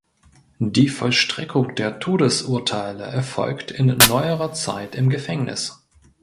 Die Vollstreckung der Todesurteile erfolgt in neuerer Zeit im Gefängnis.